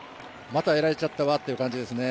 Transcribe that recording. またやられちゃったわという感じですね。